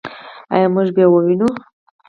آیا موږ به یې ووینو؟